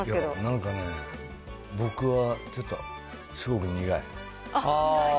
なんかね、僕はちょっと、すごく苦い。